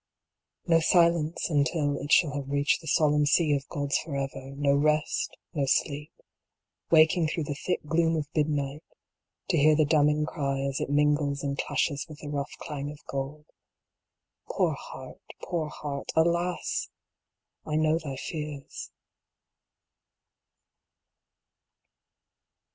57 No silence until it shall have reached the solemn sea of God s for ever ; No rest, no sleep ; Waking through the thick gloom of midnight, to hear the damning cry as it mingles and clashes with the rough clang of gold. Poor Heart, poor Heart, Alas ! I know thy fears.